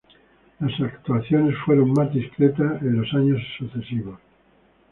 Las actuaciones fueron más discretas en años sucesivos.